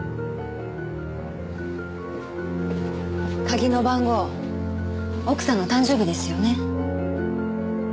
鍵の番号奥さんの誕生日ですよね？